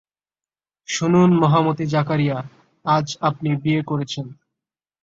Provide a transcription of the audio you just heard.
শুনুন মহামতি জাকারিয়া, আজ আপনি বিয়ে করেছেন।